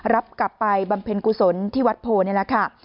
รับกลับไปบำเพ็ญกุศลที่วัดโพนี่แหละค่ะ